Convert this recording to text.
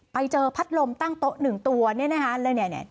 ไปเจอพัดลมตั้งโต๊ะหนึ่งตัวเนี่ยนะคะแล้วเนี่ย